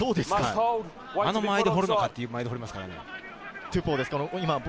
あの間合いで放るのかというタイミングで放りますからね。